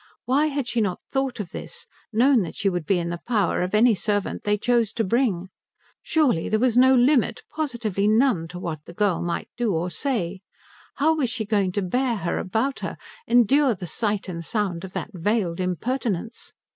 Why had she not thought of this, known that she would be in the power of any servant they chose to bring? Surely there was no limit, positively none, to what the girl might do or say? How was she going to bear her about her, endure the sight and sound of that veiled impertinence?